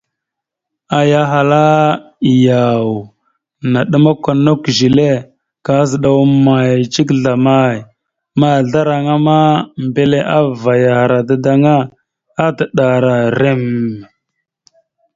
Aya ahala: « Yaw, naɗəmakw a nakw zile, kazəɗaw amay cik zlamay? » Mazlaraŋa ma, mbile avayara dadaŋŋa, adaɗəra rrem.